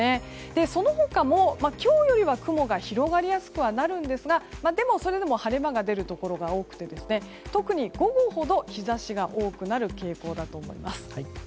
その他も今日よりは雲が広がりやすくはなるんですがそれでも晴れ間が出るところが多くて特に午後ほど、日差しが多くなる傾向だと思います。